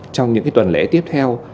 trong những tuần lễ tiếp theo